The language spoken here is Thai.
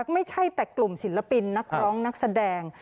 ไม่ใช่แต่กลุ่มศิลปินนักร้องนักแสดง